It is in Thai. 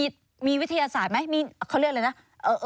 หรอมีวิทยาศาสตร์ไหมมีเขาเลือกเลยนะเออ